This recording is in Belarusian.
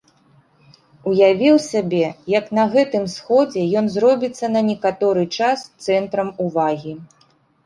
Уявіў сабе, як на гэтым сходзе ён зробіцца на некаторы час цэнтрам увагі.